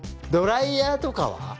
ドライヤーとかは？